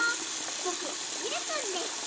ぼくミルくんです。